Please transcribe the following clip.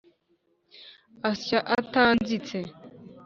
Asya atanzitse